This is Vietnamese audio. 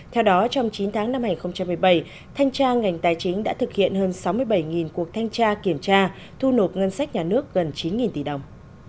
theo đó trong chín tháng năm hai nghìn một mươi bảy thanh tra ngành tài chính đã thực hiện hơn sáu mươi bảy cuộc thanh tra kiểm tra thu nộp ngân sách nhà nước gần chín tỷ đồng